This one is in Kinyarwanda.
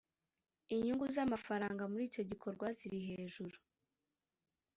inyungu z amafaranga muri icyo gikorwa ziri hejuru